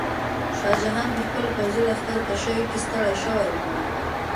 شاه جهان په خپلو پوځي لښکرکشیو کې ستړی شوی و.